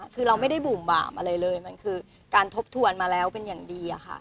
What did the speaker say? คือเราไม่ได้บุ่มบาปอะไรเลยมันคือการทบทวนมาแล้วเป็นอย่างดีอะค่ะ